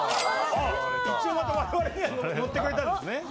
一応我々には乗ってくれたんですね。